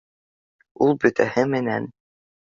Ул бөтәһе менән